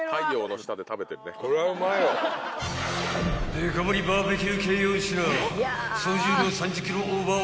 ［デカ盛りバーベキュー］